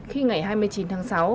khi ngày hai mươi chín tháng sáu